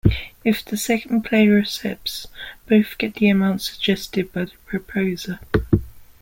If the second player accepts, both get the amount suggested by the proposer.